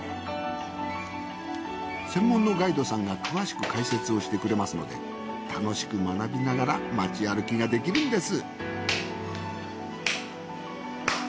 専門のガイドさんが詳しく解説をしてくれますので楽しく学びながらまち歩きができるんです